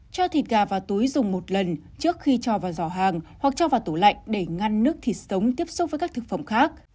cho thịt gà và túi dùng một lần trước khi trò vào giỏ hàng hoặc cho vào tủ lạnh để ngăn nước thịt sống tiếp xúc với các thực phẩm khác